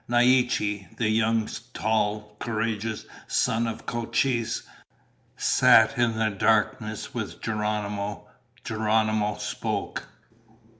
Naiche, the young, tall, courageous son of Cochise, sat in the darkness with Geronimo. Geronimo spoke.